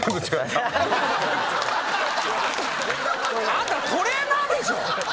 あなたトレーナーでしょ。